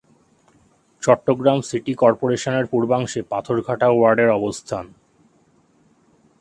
Chittagong city কর্পোরেশনের পূর্বাংশে পাথরঘাটা ওয়ার্ডের অবস্থান।